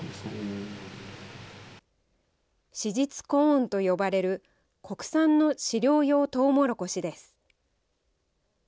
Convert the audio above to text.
子実コーンと呼ばれる、国産の飼料用トウモロコシです。